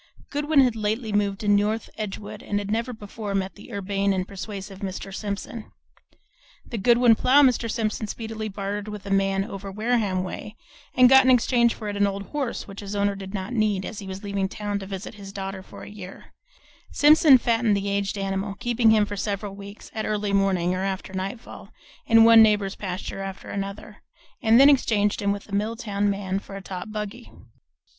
Goodwin had lately moved to North Edgewood and had never before met the urbane and persuasive Mr. Simpson. The Goodwin plough Mr. Simpson speedily bartered with a man "over Wareham way," and got in exchange for it an old horse which his owner did not need, as he was leaving town to visit his daughter for a year, Simpson fattened the aged animal, keeping him for several weeks (at early morning or after nightfall) in one neighbor's pasture after another, and then exchanged him with a Milltown man for a top buggy.